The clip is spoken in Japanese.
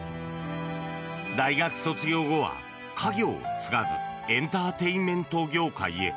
大学卒業後は、家業を継がずエンターテインメント業界へ。